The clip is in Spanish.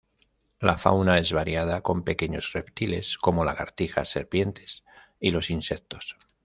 La fauna es variada con pequeños reptiles, como lagartijas, serpiente y los insectos.